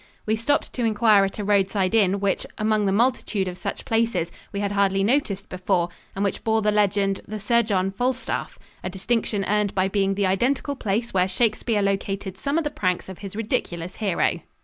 We stopped to inquire at a roadside inn which, among the multitude of such places, we had hardly noticed before, and which bore the legend, "The Sir John Falstaff," a distinction earned by being the identical place where Shakespeare located some of the pranks of his ridiculous hero.